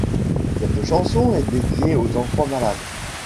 Cette chanson est dédiée aux enfants malades.